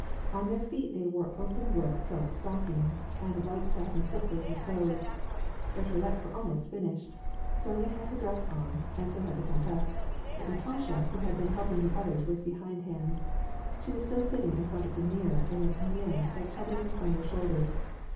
On their feet they wore o])en w^ork silk stockings, and white satin slippers with bows. Their toilettes were almost finished. Sonya had her dress on, and so had the countess ; but Natasha, who had been helping the others, was Ix^hindhand. She was still sitting in front of the mirror in a 7j<?k/?ioiV that covered her slender shoulders.